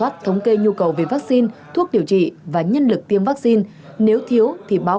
thống kê nhu cầu về vaccine thuốc điều trị và nhân lực tiêm vaccine nếu thiếu thì báo